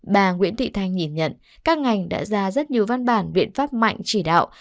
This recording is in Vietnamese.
nàng nguyễn thị thanh nhìn nhận các ngành đã ra rất nhiều văn bản viện pháp mạnh chỉ đạo